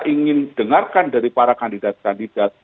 ingin dengarkan dari para kandidat kandidat